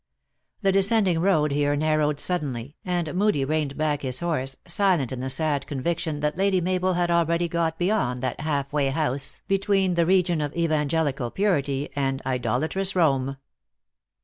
The descending road here narrowed suddenly, and Moodie reined back his horse, silent in the sad convic tion that Lady Mabel had already got beyond that half way house between the region of evangelical purity and idolatrous Home.